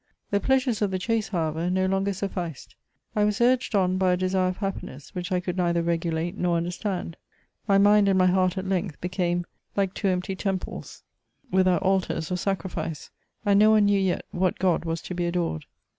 The pleasures of the chase, however, no longer sufficed : I was urged on by a desire of happiness, which I could neither r^iulate nor imderstand ; my mind and my heart at length became like two empty temples without altars or sacrifice ; and no one knew yet what God was to be adored.